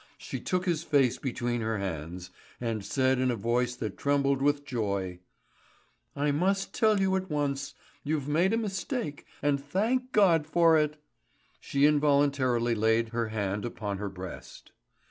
She took his face between her hands, and said in a voice that trembled with joy: "I must tell you at once. You've made a mistake, and thank God for it!" She involuntarily laid her hand upon her breast.